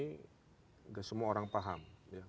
enggak semua orang paham